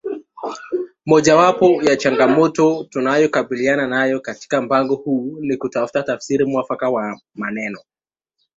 Mojawapo ya changamoto tunayokabiliana nayo katika mpango huu ni kupata tafsiri mwafaka ya maneno